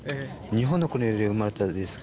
日本の国で生まれたです